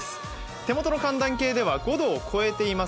手元の寒暖計では５度を超えています。